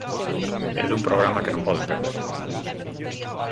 E dun programa que non poden perder.